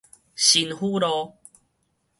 新府路